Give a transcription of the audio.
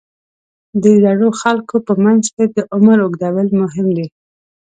د زړو خلکو په منځ کې د عمر اوږدول مهم دي.